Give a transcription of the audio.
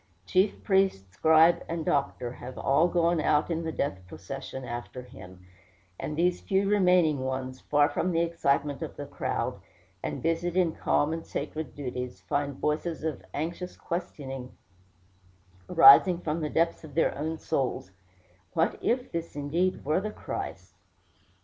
Chief priest, scribe, and doctor have all gone out in the death procession after him; and these few remaining ones, far from the excitement of the crowd, and busied in calm and sacred duties, find voices of anxious questioning rising from the depths of their own souls, "What if this indeed were the Christ?"